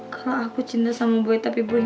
kalau aku cinta sama boy tapi boynya